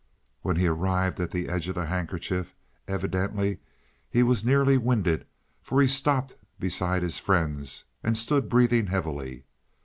When he arrived at the edge of the handkerchief, evidently he was nearly winded, for he stopped beside his friends, and stood breathing heavily.